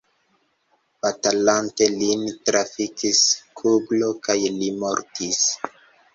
Batalante lin trafis kuglo kaj li mortis.